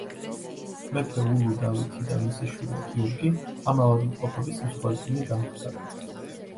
მეფე ულუ დავითი და მისი შვილი გიორგი ამ ავადმყოფობის მსხვერპლნი გამხდარან.